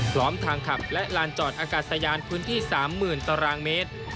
พร้อมทางขับและลานจอดอากาศยานพื้นที่๓๐๐๐ตารางเมตร